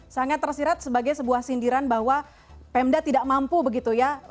sangat tersirat sebagai sebuah sindiran bahwa pemda tidak mampu begitu ya